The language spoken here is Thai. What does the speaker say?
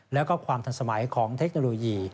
แล้วก็ความทันสมัยของเทคโนโลยี